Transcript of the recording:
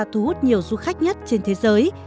thu hút nhiều du khách nhất trên thế giới